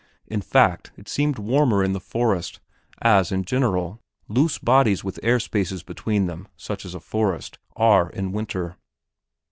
In fact, it seemed warmer in the forest, as, in general, loose bodies with air spaces between, such as a forest, are in winter.